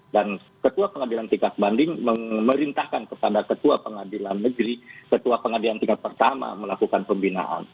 dan ketua pengadilan tingkat banding memerintahkan kepada ketua pengadilan negeri ketua pengadilan tingkat pertama melakukan pembinaan